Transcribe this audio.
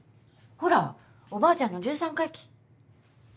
ほらおばあちゃんの１３回忌。